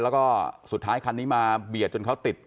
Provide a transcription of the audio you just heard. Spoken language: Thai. แล้วก็สุดท้ายคันนี้มาเบียดจนเขาติด